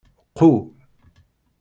Qqu.